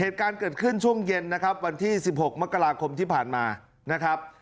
เหตุการณ์เกิดขึ้นช่วงเย็นนะครับวันที่๑๖มกราคมที่ผ่านมานะครับ